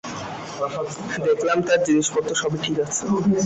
দেখলাম তার জিনিসপত্র সবই ঠিক আছে।